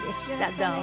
どうも。